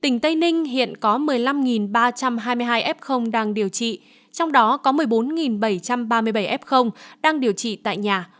tỉnh tây ninh hiện có một mươi năm ba trăm hai mươi hai f đang điều trị trong đó có một mươi bốn bảy trăm ba mươi bảy f đang điều trị tại nhà